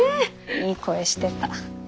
いい声してた。